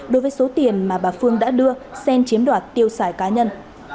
đối với số tiền mà bà phương đã đưa xen chiếm đoạt tiêu xài cá nhân